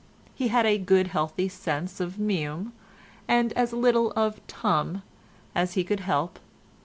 He had a good healthy sense of meum, and as little of tuum as he could help.